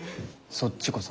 そっちこそ。